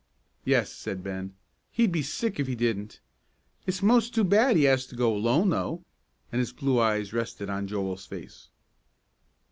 "Yes," said Ben, "he'd be sick if he didn't. It's most too bad he has to go alone, though," and his blue eyes rested on Joel's face.